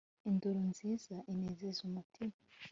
indoro nziza inezeza umutima